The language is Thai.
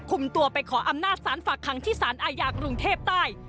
ตัวไปขออำนาจสารฝากคังที่สารอาญากรุงเทพใต้